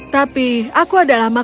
tapi aku adalah makananmu